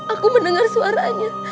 aku mendengar suaranya